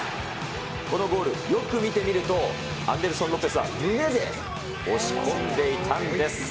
このゴール、よく見てみると、アンデルソン・ロペスは胸で押し込んでいたんです。